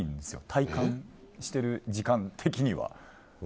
体感してる時間的には。